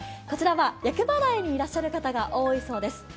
こちらは厄払いにいらっしゃる方が多いそうです。